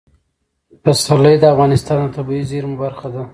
پسرلی د افغانستان د طبیعي زیرمو برخه ده.